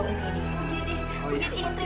oh bukit terima kasih